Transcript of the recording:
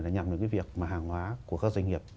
là nhằm đến cái việc mà hàng hóa của các doanh nghiệp